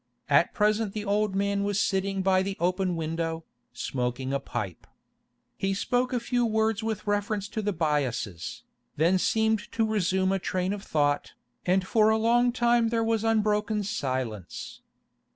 At present the old man was sitting by the open window, smoking a pipe. He spoke a few words with reference to the Byasses, then seemed to resume a train of thought, and for a long time there was unbroken silence.